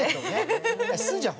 すずちゃん